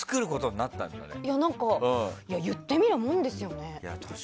言ってみるもんですよね。